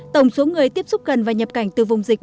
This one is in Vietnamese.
tổng số người tiếp xúc gần và nhập cảnh tử vong là ba mươi ca